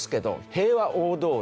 平和大通り。